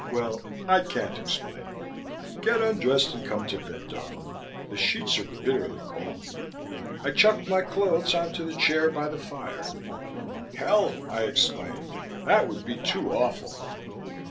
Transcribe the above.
Well, I can't explain. Get undressed and come to bed, darling. The sheets are bitterly cold." I chucked my clothes onto the chair by the fire. "Hell!" I exclaimed. "That would be too awful!"